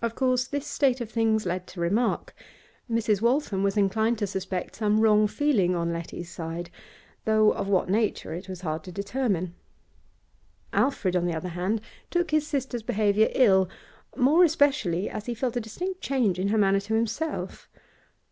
Of course this state of things led to remark. Mrs. Waltham was inclined to suspect some wrong feeling on Letty's side, though of what nature it was hard to determine. Alfred, on the other hand, took his sister's behaviour ill, more especially as he felt a distinct change in her manner to himself.